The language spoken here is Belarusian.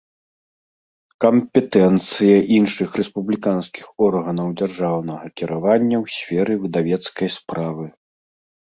Кампетэнцыя iншых рэспублiканскiх органаў дзяржаўнага кiравання ў сферы выдавецкай справы